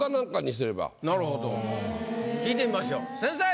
なるほど聞いてみましょう先生！